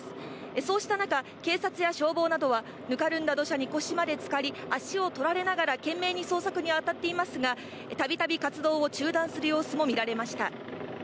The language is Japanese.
そうした中、警察や消防などは、ぬかるんだ土砂に腰までつかり、足を取られながら懸命に捜索に当たっていますが、度々、活動を中断する様子も見られました。